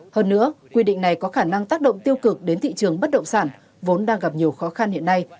hơn nữa quy định này có khả năng tác động tiêu cực đến thị trường bất động sản vốn đang gặp nhiều khó khăn hiện nay